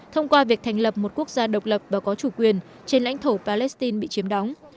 thông qua việc thành lập một quốc gia độc lập và có chủ quyền trên lãnh thổ palestine bị chiếm đóng